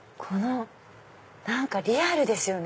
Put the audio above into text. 何かリアルですよね